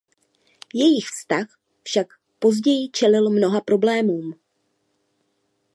Jejich vztah však později čelil mnoha problémům.